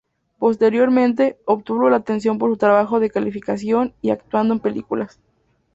Posteriormente, obtuvo la atención por su trabajo de calificación y actuando en películas.